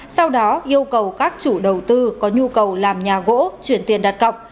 sau đó yêu cầu các chủ đầu tư có nhu cầu làm nhà gỗ chuyển tiền đặt cọc